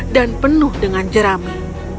dan penuh dengan jerami